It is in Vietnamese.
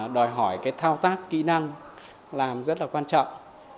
đòi hỏi cái thao tác kỹ năng làm rất là quan trọng